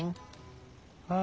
ああ。